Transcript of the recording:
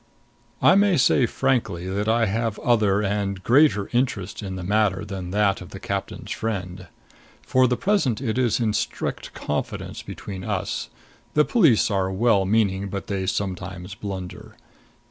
I may say frankly that I have other and greater interest in the matter than that of the captain's friend. For the present that is in strict confidence between us; the police are well meaning, but they sometimes blunder.